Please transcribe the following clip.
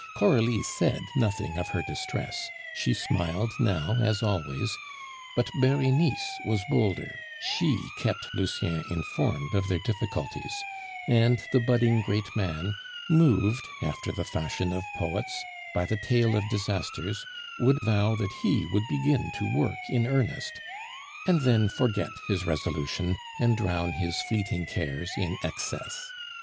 Coralie said nothing of her distress; she smiled now, as always; but Berenice was bolder, she kept Lucien informed of their difficulties; and the budding great man, moved, after the fashion of poets, by the tale of disasters, would vow that he would begin to work in earnest, and then forget his resolution, and drown his fleeting cares in excess.